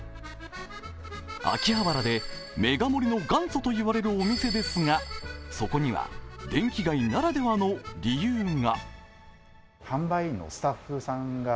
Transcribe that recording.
秋葉原でメガ盛りの元祖といわれるお店ですがそこには電気街ならではの理由が。